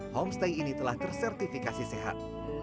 homestay ini telah tersertifikasi sehat